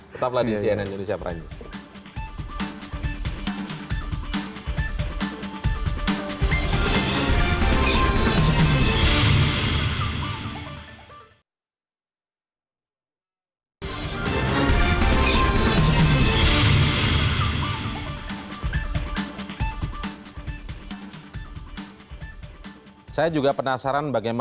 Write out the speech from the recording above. tetaplah di cnn indonesia perancis